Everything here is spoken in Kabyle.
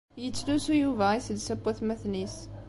Yettlusu Yuba iselsa n watmaten-is.